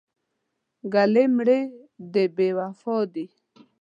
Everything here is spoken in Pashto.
ګلې مړې دې بې وفا دي.